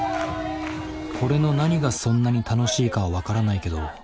これの何がそんなに楽しいかはわからないけど。